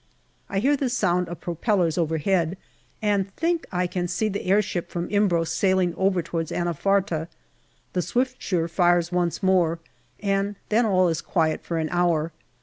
I hear the sound of propellers overhead, and think I can see the airship from Imbros sailing over towards Anafarta. The Swiftsure fires once more, and then all is quiet for an hour.